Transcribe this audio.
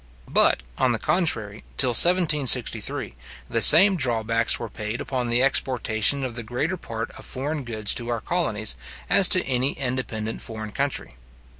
But, on the contrary, till 1763, the same drawbacks were paid upon the exportation of the greater part of foreign goods to our colonies, as to any independent foreign country.